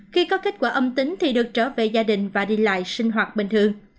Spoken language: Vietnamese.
khi có kết quả âm tính thì được trở về gia đình và đi lại sinh hoạt bình thường